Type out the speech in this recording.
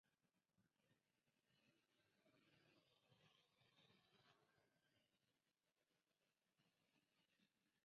La familia extendida incluía el fotógrafo de moda estadounidense George Hoyningen-Huene.